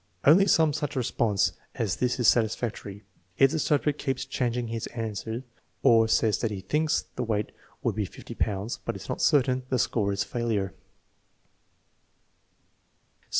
Only some such response as this is satisfactory. If the subject keeps chang ing his answer or says that he thinks the weight would be 50 pounds, but is not certain, the score is failure.